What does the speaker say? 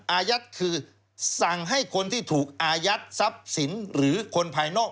อายัดคือสั่งให้คนที่ถูกอายัดทรัพย์สินหรือคนภายนอก